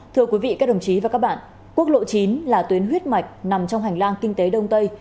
thưa quý vị các đồng chí và các bạn quốc lộ chín là tuyến huyết mạch nằm trong hành lang kinh tế đông tây